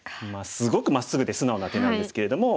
すごくまっすぐで素直な手なんですけれども。